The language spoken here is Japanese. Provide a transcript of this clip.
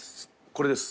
これです。